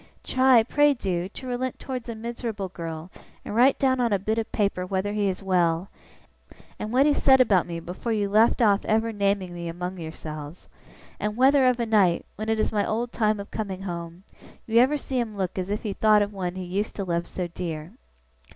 Try, pray do, to relent towards a miserable girl, and write down on a bit of paper whether he is well, and what he said about me before you left off ever naming me among yourselves and whether, of a night, when it is my old time of coming home, you ever see him look as if he thought of one he used to love so dear.